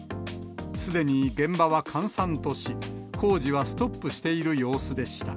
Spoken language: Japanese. すでに現場は閑散とし、工事はストップしている様子でした。